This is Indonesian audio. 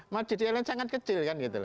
margin di airline sangat kecil